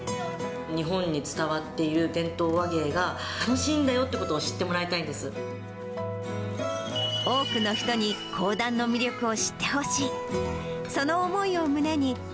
日本に伝わっている伝統話芸が楽しいんだよっていうことを知多くの人に講談の魅力を知ってほしい。